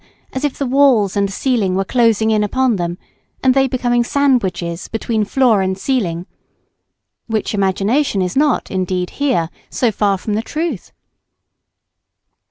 as if the walls and ceiling were closing in upon them, and they becoming sandwiches between floor and ceiling, which imagination is not, indeed, here so far from the truth?